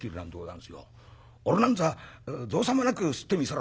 『俺なんざ造作もなくすってみせらぁ』